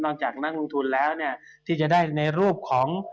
จากนักลงทุนแล้วเนี่ยที่จะได้ในรูปของ